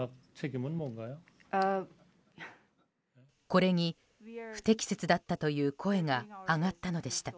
これに不適切だったという声が上がったのでした。